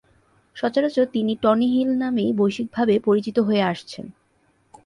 সচরাচর তিনি Tony Hill নামেই বৈশ্বিকভাবে পরিচিত হয়ে আসছেন।